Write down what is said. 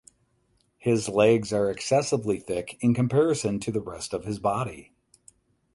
His legs are excessively thick in comparison to the rest of his body.